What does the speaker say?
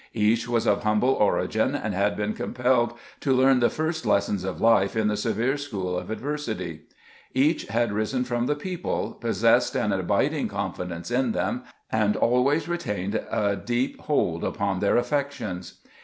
Each was of humble origin, and had been compelled to learn the first lessons of life in the severe school of adversity. Each had risen from the people, 20 CAMPAIGNING WITH GBANT possessed an abiding confidence in them, and always retained a deep hold upon their affections.